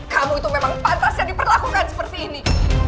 kamu itu memang pantas yang diperlakukan seperti ini